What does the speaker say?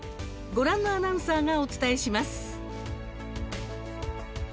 ご覧のアナウンサーがお伝えします。